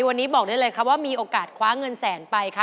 วันนี้บอกได้เลยค่ะว่ามีโอกาสคว้าเงินแสนไปค่ะ